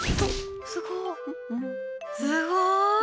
すごーい！